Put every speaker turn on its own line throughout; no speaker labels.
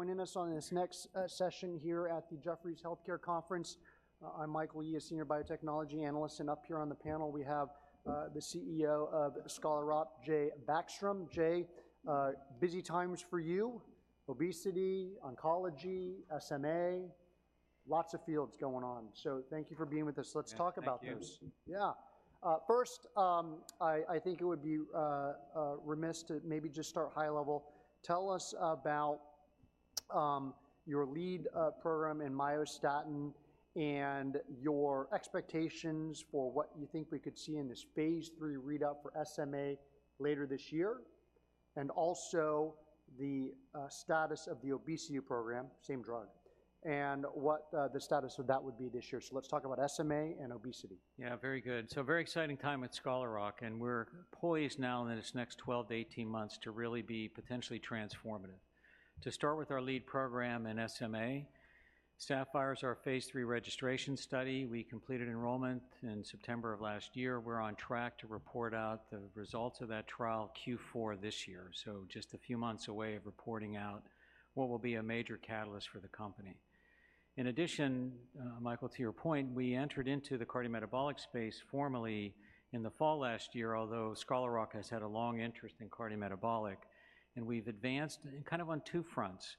Joining us on this next session here at the Jefferies healthcare conference. I'm Michael Yee, a senior biotechnology analyst, and up here on the panel we have the CEO of Scholar Rock, Jay Backstrom. Jay, busy times for you: obesity, oncology, SMA, lots of fields going on, so thank you for being with us.
Yeah, thank you.
Let's talk about those. Yeah. First, I think it would be remiss to maybe just start high level. Tell us about your lead program in myostatin, and your expectations for what you think we could see in this phase lll readout for SMA later this year, and also the status of the obesity program, same drug, and what the status of that would be this year. So let's talk about SMA and obesity.
Yeah, very good. So a very exciting time at Scholar Rock, and we're poised now in this next 12-18 months to really be potentially transformative. To start with our lead program in SMA, SAPPHIRE is our phase lll registration study. We completed enrollment in September of last year. We're on track to report out the results of that trial Q4 this year, so just a few months away of reporting out what will be a major catalyst for the company. In addition, Michael, to your point, we entered into the cardiometabolic space formally in the fall last year, although Scholar Rock has had a long interest in cardiometabolic, and we've advanced kind of on two fronts.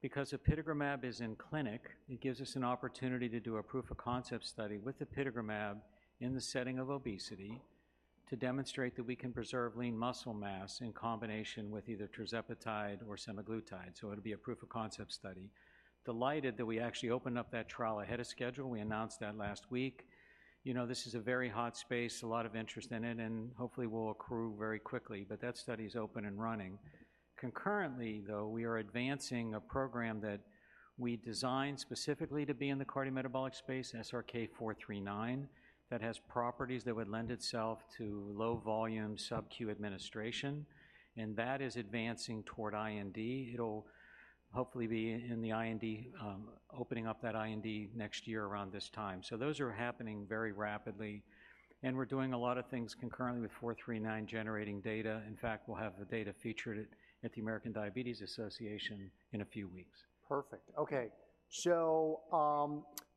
Because apitegromab is in clinic, it gives us an opportunity to do a proof of concept study with apitegromab in the setting of obesity to demonstrate that we can preserve lean muscle mass in combination with either tirzepatide or semaglutide, so it'll be a proof of concept study. Delighted that we actually opened up that trial ahead of schedule, we announced that last week. You know, this is a very hot space, a lot of interest in it, and hopefully will accrue very quickly, but that study's open and running. Concurrently, though, we are advancing a program that we designed specifically to be in the cardiometabolic space, SRK-439, that has properties that would lend itself to low volume subQ administration, and that is advancing toward IND. It'll hopefully be in the IND, opening up that IND next year around this time. So those are happening very rapidly, and we're doing a lot of things concurrently with 439 generating data. In fact, we'll have the data featured at the American Diabetes Association in a few weeks.
Perfect. Okay. So,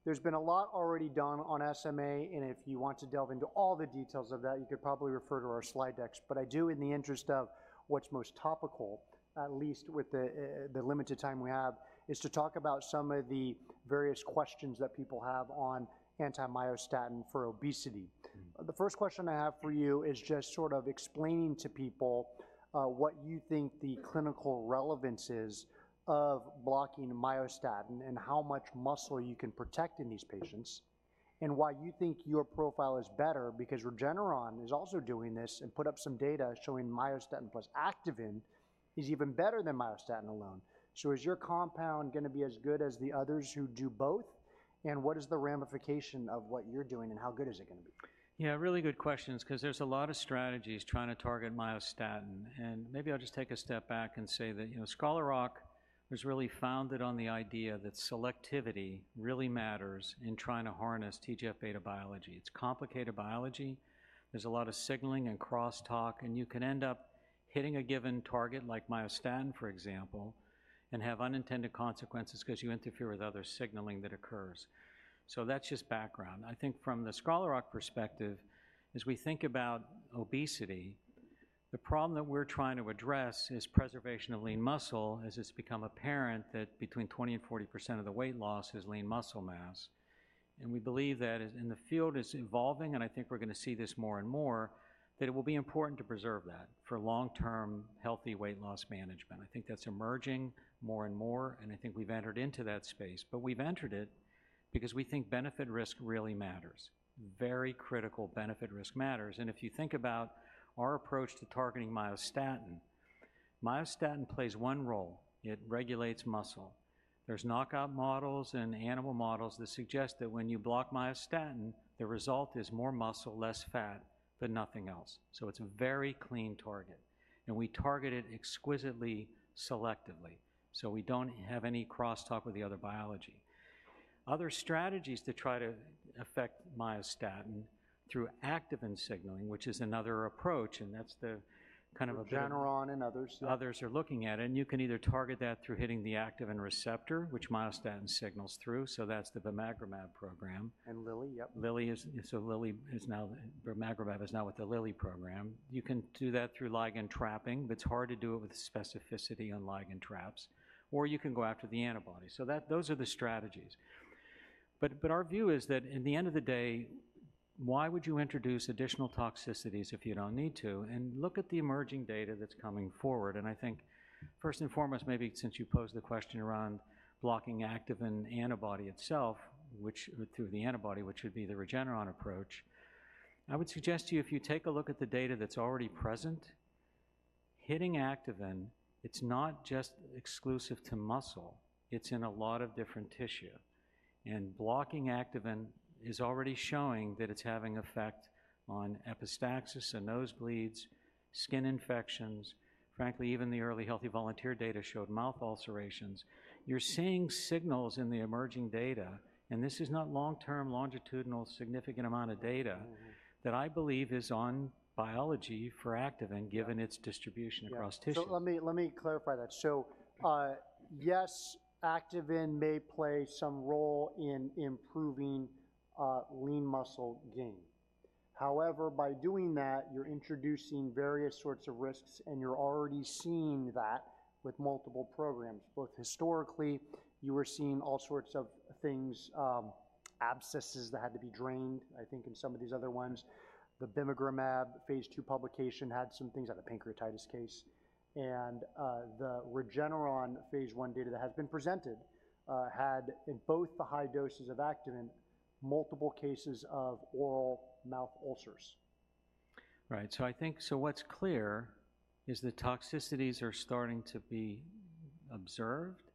there's been a lot already done on SMA, and if you want to delve into all the details of that, you could probably refer to our slide decks. But I do, in the interest of what's most topical, at least with the limited time we have, is to talk about some of the various questions that people have on anti-myostatin for obesity.
Mm.
The first question I have for you is just sort of explaining to people what you think the clinical relevance is of blocking myostatin and how much muscle you can protect in these patients, and why you think your profile is better, because Regeneron is also doing this and put up some data showing myostatin plus activin is even better than myostatin alone. So is your compound gonna be as good as the others who do both? And what is the ramification of what you're doing, and how good is it gonna be?
Yeah, really good questions, 'cause there's a lot of strategies trying to target myostatin, and maybe I'll just take a step back and say that, you know, Scholar Rock was really founded on the idea that selectivity really matters in trying to harness TGF-beta biology. It's complicated biology. There's a lot of signaling and crosstalk, and you can end up hitting a given target, like myostatin, for example, and have unintended consequences 'cause you interfere with other signaling that occurs. So that's just background. I think from the Scholar Rock perspective, as we think about obesity, the problem that we're trying to address is preservation of lean muscle, as it's become apparent that between 20% and 40% of the weight loss is lean muscle mass. And we believe that, as the field is evolving, and I think we're gonna see this more and more, that it will be important to preserve that for long-term, healthy weight loss management. I think that's emerging more and more, and I think we've entered into that space. But we've entered it because we think benefit risk really matters. Very critical benefit risk matters, and if you think about our approach to targeting myostatin, myostatin plays one role: it regulates muscle. There's knockout models and animal models that suggest that when you block myostatin, the result is more muscle, less fat, but nothing else. So it's a very clean target, and we target it exquisitely, selectively, so we don't have any crosstalk with the other biology. Other strategies to try to affect myostatin through activin signaling, which is another approach, and that's the kind of-
Regeneron and others.
Others are looking at it, and you can either target that through hitting the activin receptor, which myostatin signals through, so that's the bimagrumab program.
And Lilly, yep.
Lilly is... So Lilly is now, bimagrumab is now with the Lilly program. You can do that through ligand trapping, but it's hard to do it with specificity on ligand traps, or you can go after the antibody. So that- those are the strategies. But, but our view is that in the end of the day, why would you introduce additional toxicities if you don't need to? And look at the emerging data that's coming forward, and I think first and foremost, maybe since you posed the question around blocking activin antibody itself, which, through the antibody, which would be the Regeneron approach, I would suggest to you, if you take a look at the data that's already present, hitting activin, it's not just exclusive to muscle. It's in a lot of different tissue, and blocking activin is already showing that it's having effect on epistaxis and nosebleeds, skin infections, frankly, even the early healthy volunteer data showed mouth ulcerations. You're seeing signals in the emerging data, and this is not long-term, longitudinal, significant amount of data-
Mm-hmm
That I believe is on biology for activin, given-
Yeah...
its distribution across tissues.
Yeah. So let me, let me clarify that. So, yes, activin may play some role in improving, lean muscle gain? however, by doing that, you're introducing various sorts of risks, and you're already seeing that with multiple programs. Both historically, you were seeing all sorts of things, abscesses that had to be drained, I think in some of these other ones. The bimagrumab phase ll publication had some things, like a pancreatitis case, and, the Regeneron phase l data that has been presented, had, in both the high doses of activin, multiple cases of oral mouth ulcers.
Right. So I think, so what's clear is the toxicities are starting to be observed,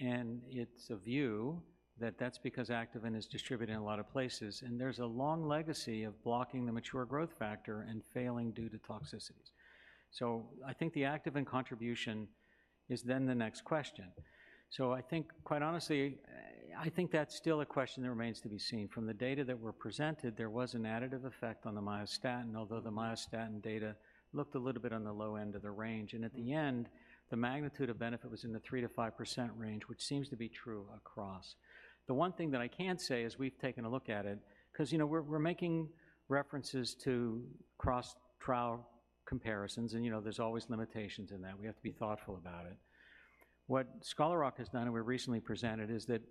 and it's a view that that's because activin is distributed in a lot of places, and there's a long legacy of blocking the mature growth factor and failing due to toxicities. So I think the activin contribution is then the next question. So I think, quite honestly, I think that's still a question that remains to be seen. From the data that were presented, there was an additive effect on the myostatin, although the myostatin data looked a little bit on the low end of the range, and at the end, the magnitude of benefit was in the 3%-5% range, which seems to be true across. The one thing that I can say is we've taken a look at it, 'cause, you know, we're making references to cross-trial comparisons, and, you know, there's always limitations in that. We have to be thoughtful about it. What Scholar Rock has done, and we recently presented, is that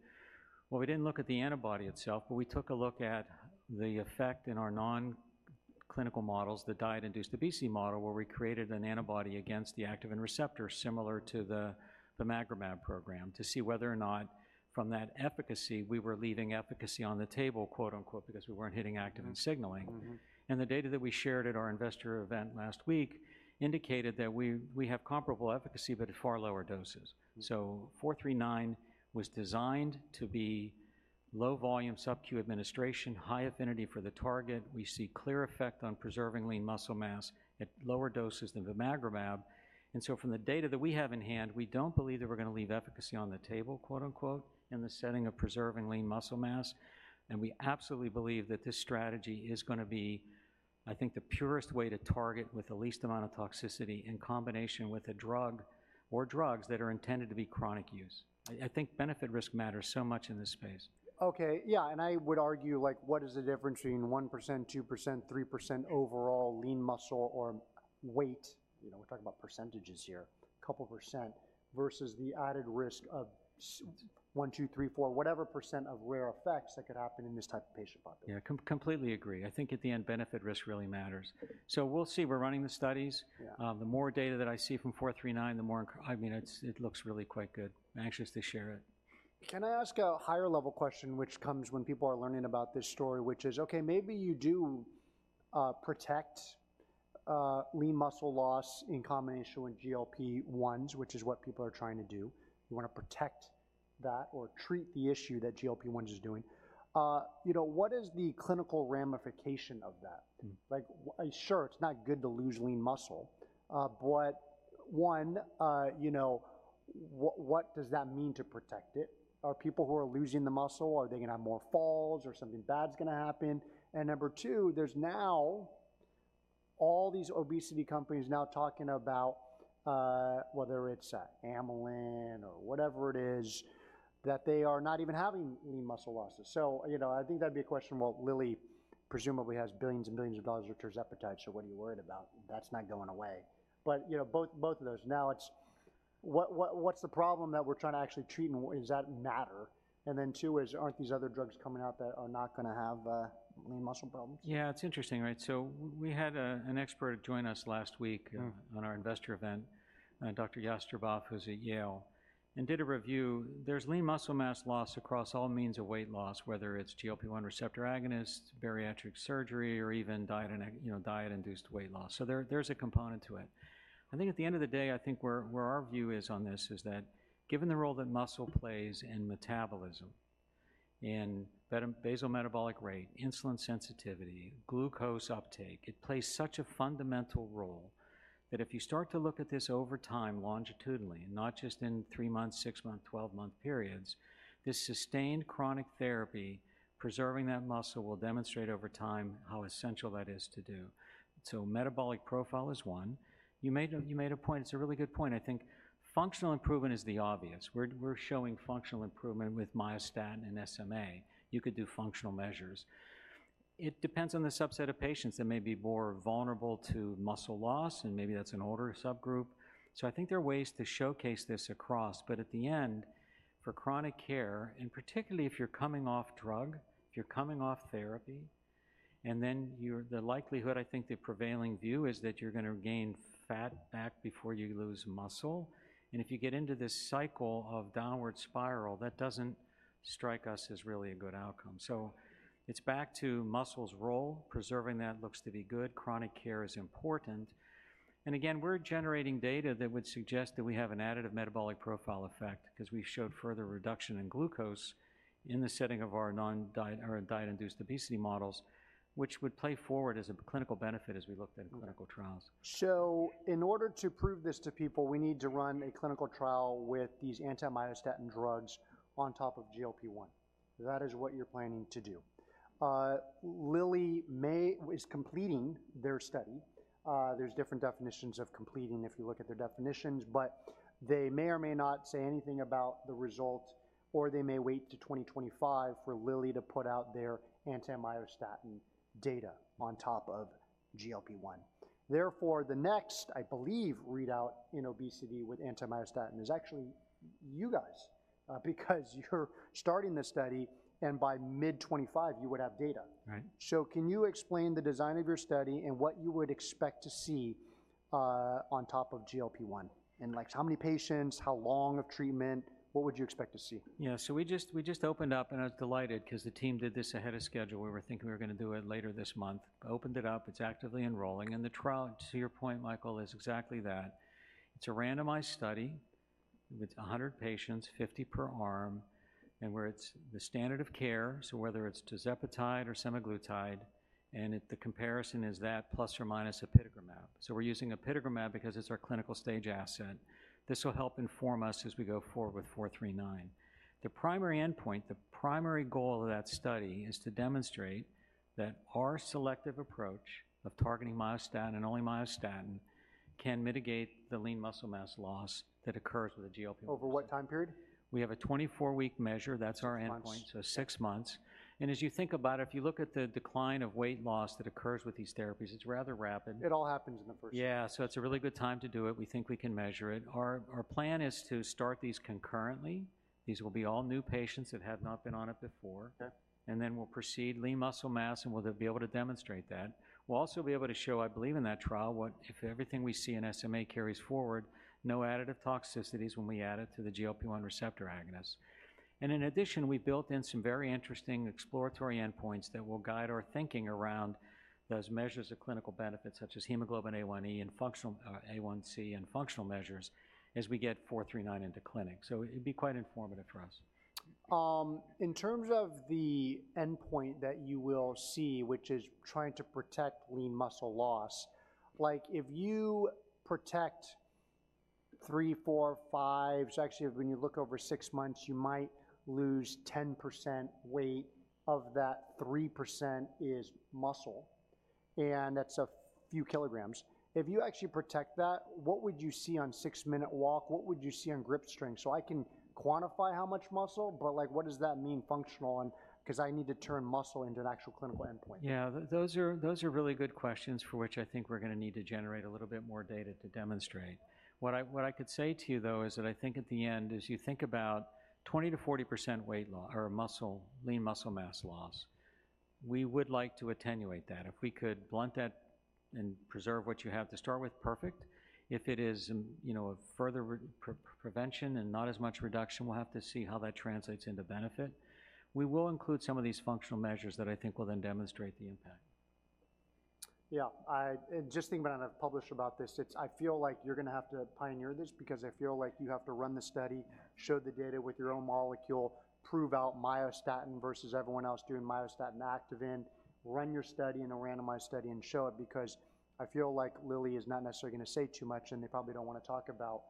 while we didn't look at the antibody itself, but we took a look at the effect in our non-clinical models, the diet-induced obesity model, where we created an antibody against the activin receptor similar to the bimagrumab program, to see whether or not from that efficacy, we were leaving efficacy on the table, quote, unquote, because we weren't hitting activin signaling.
Mm-hmm. Mm-hmm.
The data that we shared at our investor event last week indicated that we, we have comparable efficacy but at far lower doses. So SRK-439 was designed to be low volume sub-Q administration, high affinity for the target. We see clear effect on preserving lean muscle mass at lower doses than the bimagrumab. And so from the data that we have in hand, we don't believe that we're gonna leave efficacy on the table, quote, unquote, in the setting of preserving lean muscle mass. And we absolutely believe that this strategy is gonna be, I think, the purest way to target with the least amount of toxicity in combination with a drug or drugs that are intended to be chronic use. I, I think benefit risk matters so much in this space.
Okay. Yeah, and I would argue, like, what is the difference between 1%, 2%, 3% overall lean muscle or weight? You know, we're talking about percentages here, a couple%, versus the added risk of one, two, three, four, whatever% of rare effects that could happen in this type of patient population.
Yeah, completely agree. I think at the end, benefit risk really matters. So we'll see. We're running the studies.
Yeah.
The more data that I see from 439, the more... I mean, it's- it looks really quite good. Anxious to share it.
Can I ask a higher level question, which comes when people are learning about this story, which is: okay, maybe you do protect lean muscle loss in combination with GLP-1s, which is what people are trying to do. You want to protect that or treat the issue that GLP-1s is doing. You know, what is the clinical ramification of that? Like, sure, it's not good to lose lean muscle, but one, you know, what does that mean to protect it? Are people who are losing the muscle, are they gonna have more falls or something bad's gonna happen? And number two, there's now all these obesity companies now talking about whether it's amylin or whatever it is, that they are not even having lean muscle losses. So, you know, I think that'd be a question. Well, Lilly presumably has billions and billions of dollars worth of tirzepatide, so what are you worried about? That's not going away. But, you know, both of those. Now, it's what's the problem that we're trying to actually treat, and does that matter? And then two is, aren't these other drugs coming out that are not gonna have lean muscle problems?
Yeah, it's interesting, right? So we had an expert join us last week-
Mm
on our investor event, Dr. Jastreboff, who's at Yale, and did a review. There's lean muscle mass loss across all means of weight loss, whether it's GLP-1 receptor agonist, bariatric surgery, or even diet and you know, diet-induced weight loss. So there, there's a component to it. I think at the end of the day, I think where, where our view is on this is that given the role that muscle plays in metabolism, in basal metabolic rate, insulin sensitivity, glucose uptake, it plays such a fundamental role, that if you start to look at this over time longitudinally, and not just in three-month, six-month, twelve-month periods, this sustained chronic therapy, preserving that muscle will demonstrate over time how essential that is to do. So metabolic profile is one. You made a, you made a point, it's a really good point. I think functional improvement is the obvious. We're, we're showing functional improvement with myostatin and SMA. You could do functional measures. It depends on the subset of patients that may be more vulnerable to muscle loss, and maybe that's an older subgroup. So I think there are ways to showcase this across, but at the end, for chronic care, and particularly if you're coming off drug, if you're coming off therapy, and then you're-- the likelihood, I think the prevailing view is that you're gonna gain fat back before you lose muscle, and if you get into this cycle of downward spiral, that doesn't strike us as really a good outcome. So it's back to muscle's role. Preserving that looks to be good. Chronic care is important. And again, we're generating data that would suggest that we have an additive metabolic profile effect 'cause we've showed further reduction in glucose-... In the setting of our non-diet or diet-induced obesity models, which would play forward as a clinical benefit as we looked at in clinical trials.
So in order to prove this to people, we need to run a clinical trial with these anti-myostatin drugs on top of GLP-1. That is what you're planning to do. Lilly is completing their study. There's different definitions of completing if you look at their definitions, but they may or may not say anything about the result, or they may wait till 2025 for Lilly to put out their anti-myostatin data on top of GLP-1. Therefore, the next, I believe, readout in obesity with anti-myostatin is actually you guys, because you're starting the study, and by mid-2025, you would have data.
Right.
Can you explain the design of your study and what you would expect to see on top of GLP-1? And, like, how many patients, how long of treatment, what would you expect to see?
Yeah, so we just, we just opened up, and I was delighted 'cause the team did this ahead of schedule. We were thinking we were gonna do it later this month. Opened it up. It's actively enrolling, and the trial, to your point, Michael, is exactly that. It's a randomized study with 100 patients, 50 per arm, and where it's the standard of care, so whether it's tirzepatide or semaglutide, and it-- the comparison is that plus or minus apitegromab. So we're using apitegromab because it's our clinical stage asset. This will help inform us as we go forward with four three nine. The primary endpoint, the primary goal of that study, is to demonstrate that our selective approach of targeting myostatin and only myostatin can mitigate the lean muscle mass loss that occurs with the GLP-1.
Over what time period?
We have a 24-week measure. That's our endpoint-
Six months.
6 months, and as you think about it, if you look at the decline of weight loss that occurs with these therapies, it's rather rapid.
It all happens in the first-
Yeah. So it's a really good time to do it. We think we can measure it. Our plan is to start these concurrently. These will be all new patients that have not been on it before.
Okay.
And then we'll proceed lean muscle mass, and we'll then be able to demonstrate that. We'll also be able to show, I believe, in that trial, what... If everything we see in SMA carries forward, no additive toxicities when we add it to the GLP-1 receptor agonist. And in addition, we built in some very interesting exploratory endpoints that will guide our thinking around those measures of clinical benefit, such as hemoglobin A1c and functional A1c and functional measures as we get 439 into clinic. So it'd be quite informative for us.
In terms of the endpoint that you will see, which is trying to protect lean muscle loss, like, if you protect three, four, five, so actually, when you look over 6 months, you might lose 10% weight, of that 3% is muscle, and that's a few kilograms. If you actually protect that, what would you see on 6-minute walk? What would you see on grip strength? So I can quantify how much muscle, but, like, what does that mean functional and 'cause I need to turn muscle into an actual clinical endpoint.
Yeah. Those are, those are really good questions for which I think we're gonna need to generate a little bit more data to demonstrate. What I, what I could say to you, though, is that I think at the end, as you think about 20%-40% weight loss or muscle, lean muscle mass loss, we would like to attenuate that. If we could blunt that and preserve what you have to start with, perfect. If it is, you know, a further prevention and not as much reduction, we'll have to see how that translates into benefit. We will include some of these functional measures that I think will then demonstrate the impact.
Yeah. And just thinking about publishing about this, it's I feel like you're gonna have to pioneer this because I feel like you have to run the study, show the data with your own molecule, prove out myostatin versus everyone else doing myostatin activin, run your study in a randomized study and show it. Because I feel like Lilly is not necessarily gonna say too much, and they probably don't wanna talk about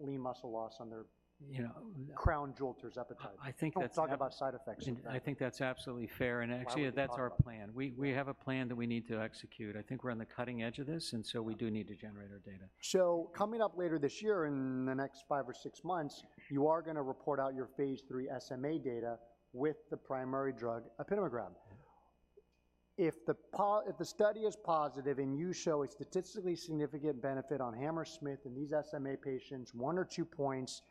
lean muscle loss on their-
You know
crown jewel tirzepatide.
I think that's-
We're talking about side effects.
I think that's absolutely fair, and actually-
Well-
That's our plan. We have a plan that we need to execute. I think we're on the cutting edge of this, and so we do need to generate our data.
So coming up later this year, in the next five or six months, you are gonna report out your Phase III SMA data with the primary drug, apitegromab. If the study is positive and you show a statistically significant benefit on Hammersmith and these SMA patients, one or two points,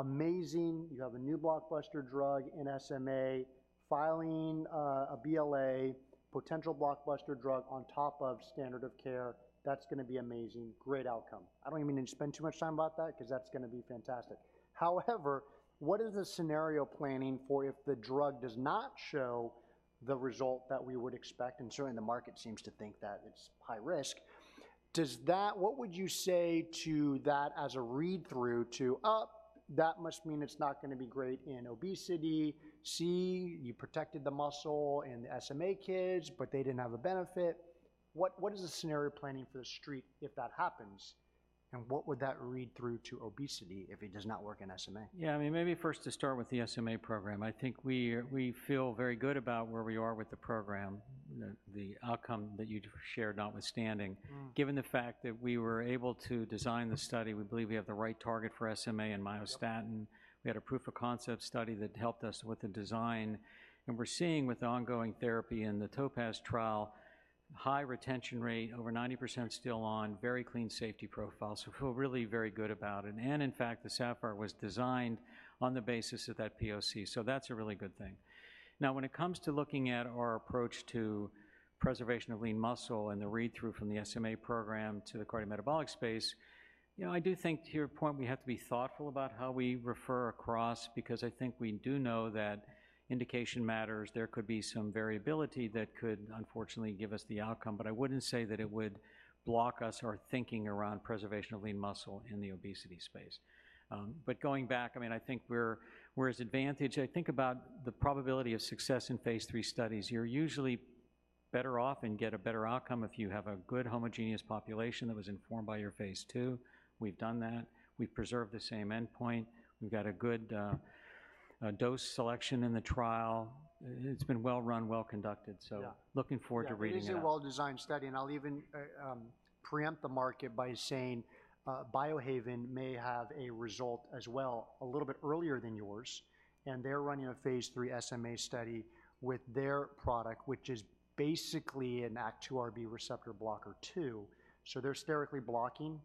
amazing! You have a new blockbuster drug in SMA, filing, a BLA, potential blockbuster drug on top of standard of care. That's gonna be amazing, great outcome. I don't even need to spend too much time about that 'cause that's gonna be fantastic. However, what is the scenario planning for if the drug does not show the result that we would expect, and certainly the market seems to think that it's high risk? What would you say to that as a read-through to, Oh, that must mean it's not gonna be great in obesity. See, you protected the muscle in the SMA kids, but they didn't have a benefit. What is the scenario planning for the street if that happens, and what would that read through to obesity if it does not work in SMA?
Yeah, I mean, maybe first to start with the SMA program. I think we feel very good about where we are with the program, the outcome that you'd shared notwithstanding.
Mm.
Given the fact that we were able to design the study, we believe we have the right target for SMA and myostatin.
Yep.
We had a proof of concept study that helped us with the design, and we're seeing with the ongoing therapy in the TOPAZ trial, high retention rate, over 90% still on, very clean safety profile. So we feel really very good about it, and in fact, the SAPPHIRE was designed on the basis of that POC, so that's a really good thing. Now, when it comes to looking at our approach to preservation of lean muscle and the read-through from the SMA program to the cardiometabolic space, you know, I do think, to your point, we have to be thoughtful about how we refer across, because I think we do know that indication matters. There could be some variability that could, unfortunately, give us the outcome, but I wouldn't say that it would block us or our thinking around preservation of lean muscle in the obesity space. But going back, I mean, I think we're as advantaged—I think about the probability of success in phase lll studies. You're usually better off and get a better outcome if you have a good homogeneous population that was informed by your phase ll. We've done that. We've preserved the same endpoint. We've got a good dose selection in the trial. It's been well run, well conducted, so-
Yeah.
Looking forward to reading it out.
It is a well-designed study, and I'll even preempt the market by saying, Biohaven may have a result as well, a little bit earlier than yours, and they're running a phase 3 SMA study with their product, which is basically an ActRIIB receptor blocker too. So they're sterically blocking,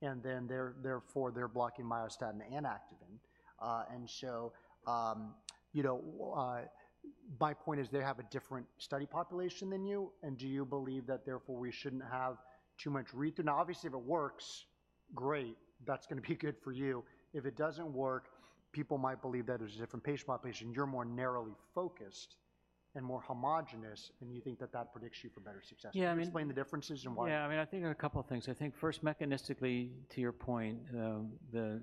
and then they're, therefore, they're blocking myostatin and activin. And so, you know, my point is, they have a different study population than you, and do you believe that therefore we shouldn't have too much read? Then obviously, if it works, great, that's gonna be good for you. If it doesn't work, people might believe that it's a different patient population. You're more narrowly focused and more homogeneous, and you think that that predicts you for better success.
Yeah, I mean-
Explain the differences and why.
Yeah, I mean, I think there are a couple of things. I think first, mechanistically, to your point, the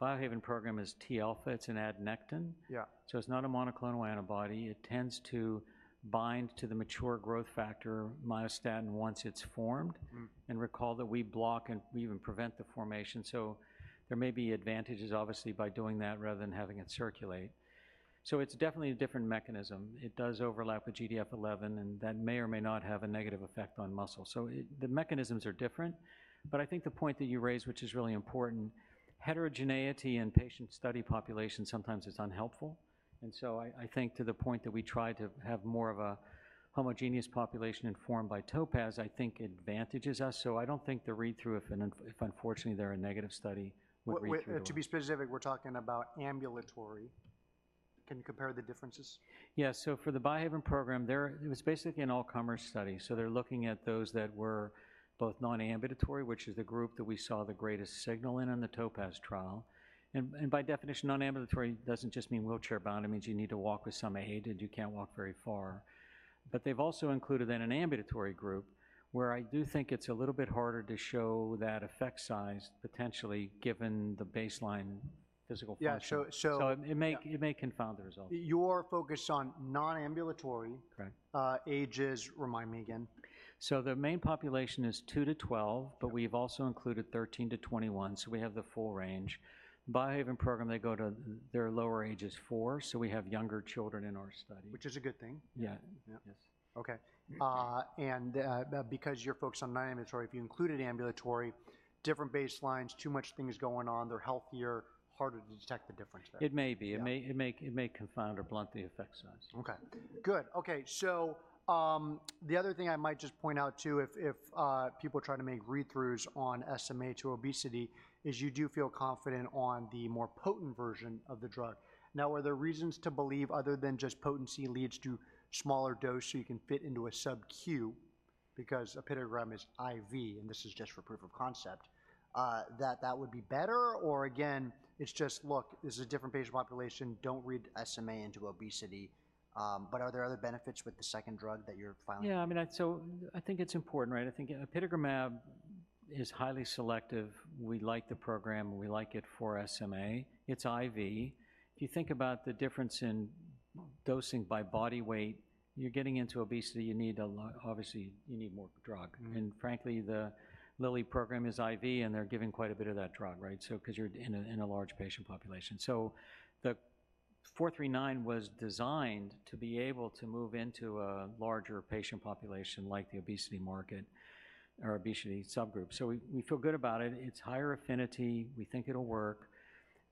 Biohaven program is T-alpha. It's an adnectin.
Yeah.
It's not a monoclonal antibody. It tends to bind to the mature growth factor, myostatin, once it's formed.
Mm-hmm.
And recall that we block and we even prevent the formation, so there may be advantages, obviously, by doing that rather than having it circulate. So it's definitely a different mechanism. It does overlap with GDF-11, and that may or may not have a negative effect on muscle. So it... The mechanisms are different, but I think the point that you raised, which is really important, heterogeneity in patient study populations sometimes is unhelpful. And so I, I think to the point that we try to have more of a homogeneous population informed by TOPAZ, I think advantages us. So I don't think the read-through, if an, if unfortunately they're a negative study, would read through.
To be specific, we're talking about ambulatory. Can you compare the differences?
Yeah, so for the Biohaven program, it was basically an all-comer study. So they're looking at those that were both non-ambulatory, which is the group that we saw the greatest signal in, in the TOPAZ trial. And by definition, non-ambulatory doesn't just mean wheelchair-bound. It means you need to walk with some aid, and you can't walk very far. But they've also included then an ambulatory group, where I do think it's a little bit harder to show that effect size, potentially, given the baseline physical function.
Yeah, so,
So it may-
Yeah...
it may confound the results.
You're focused on non-ambulatory.
Correct.
Ages, remind me again?
The main population is 2-12-
Yeah...
but we've also included 13-21, so we have the full range. Biohaven program, they go to, their lower age is four, so we have younger children in our study.
Which is a good thing.
Yeah.
Yeah.
Yes.
Okay. Because you're focused on non-ambulatory, if you included ambulatory, different baselines, too much things going on, they're healthier, harder to detect the difference there.
It may be.
Yeah.
It may confound or blunt the effect size.
Okay. Good. Okay, so, the other thing I might just point out too, if people try to make read-throughs on SMA to obesity, is you do feel confident on the more potent version of the drug. Now, are there reasons to believe other than just potency leads to smaller dose, so you can fit into a subQ, because uApadacitinib is IV, and this is just for proof of concept, that that would be better? Or again, it's just, look, this is a different patient population, don't read SMA into obesity. But are there other benefits with the second drug that you're filing?
Yeah, I mean, so I think it's important, right? I think upadacitinib is highly selective. We like the program. We like it for SMA. It's IV. If you think about the difference in dosing by body weight, you're getting into obesity, you need a lot... Obviously, you need more drug.
Mm-hmm.
Frankly, the Lilly program is IV, and they're giving quite a bit of that drug, right? So, because you're in a large patient population. So the SRK-439 was designed to be able to move into a larger patient population, like the obesity market or obesity subgroup. So we feel good about it. It's higher affinity. We think it'll work.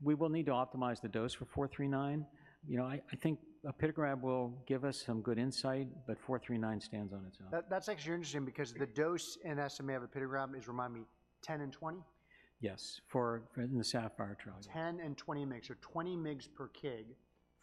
We will need to optimize the dose for SRK-439. You know, I think upadacitinib will give us some good insight, but SRK-439 stands on its own.
That's actually interesting because the dose in SMA of upadacitinib is, remind me, 10 and 20?
Yes, in the SAPPHIRE trial.
10 and 20 mg, so 20 mg per kg.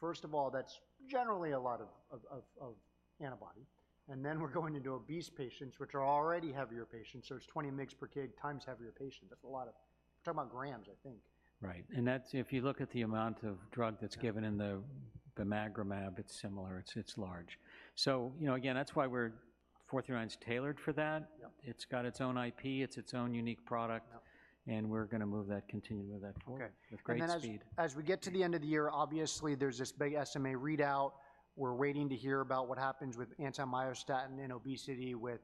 First of all, that's generally a lot of antibody, and then we're going into obese patients, which are already heavier patients, so it's 20 mg per kg times heavier patients. That's a lot of... We're talking about grams, I think.
Right. And that's, if you look at the amount of drug that's given in the bimagrumab, it's similar, it's large. So, you know, again, that's why we're SRK-439's tailored for that.
Yep.
It's got its own IP, it's its own unique product.
Yep ...
and we're gonna move that, continue with that forward-
Okay...
with great speed.
And then as we get to the end of the year, obviously, there's this big SMA readout. We're waiting to hear about what happens with anti-myostatin in obesity with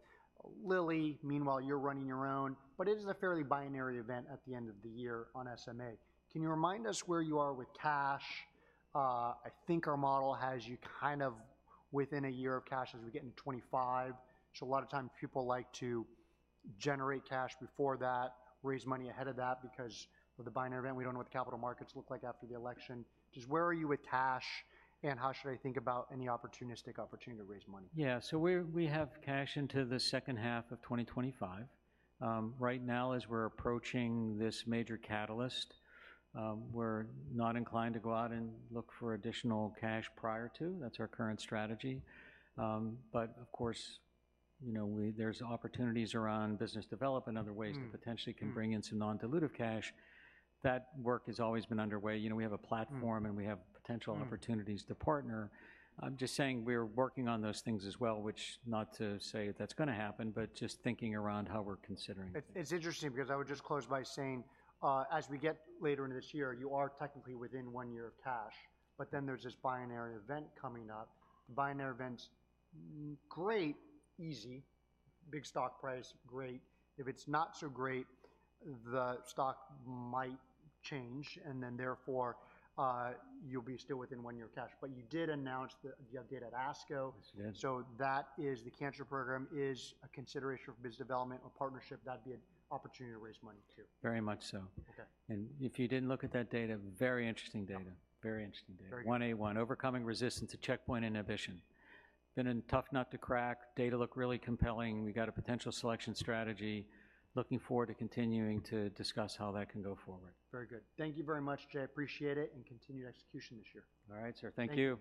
Lilly. Meanwhile, you're running your own, but it is a fairly binary event at the end of the year on SMA. Can you remind us where you are with cash? I think our model has you kind of within a year of cash as we get into 2025. So a lot of time, people like to generate cash before that, raise money ahead of that, because with the binary event, we don't know what the capital markets look like after the election. Just where are you with cash, and how should I think about any opportunistic opportunity to raise money?
Yeah. So we have cash into the second half of 2025. Right now, as we're approaching this major catalyst, we're not inclined to go out and look for additional cash prior to. That's our current strategy. But of course, you know, there's opportunities around business development, other ways-
Mm...
that potentially can bring in some non-dilutive cash. That work has always been underway. You know, we have a platform-
Mm...
and we have potential opportunities-
Mm...
to partner. I'm just saying we're working on those things as well, which, not to say that's gonna happen, but just thinking around how we're considering it.
It's interesting because I would just close by saying, as we get later into this year, you are technically within one year of cash, but then there's this binary event coming up. Binary events, great, easy, big stock price, great. If it's not so great, the stock might change, and then therefore, you'll be still within one year of cash. But you did announce the update at ASCO.
Yes, we did.
That is the cancer program, is a consideration for business development or partnership. That'd be an opportunity to raise money too.
Very much so.
Okay.
If you didn't look at that data, very interesting data.
Okay.
Very interesting data.
Very-
1A, one, overcoming resistance to checkpoint inhibition. Been a tough nut to crack. Data look really compelling. We've got a potential selection strategy. Looking forward to continuing to discuss how that can go forward.
Very good. Thank you very much, Jay. I appreciate it, and continued execution this year.
All right, sir. Thank you.